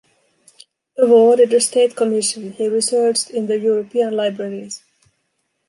Awarded a state commission, he researched in the European libraries.